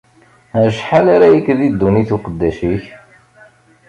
Acḥal ara yekk di ddunit uqeddac-ik?